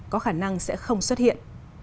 có khả năng sẽ không xuất hiện